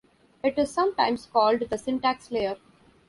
It is sometimes called the syntax layer.